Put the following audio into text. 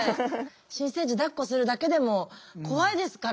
新生児だっこするだけでも怖いですからね。